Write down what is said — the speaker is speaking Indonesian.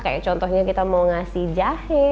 kayak contohnya kita mau ngasih jahe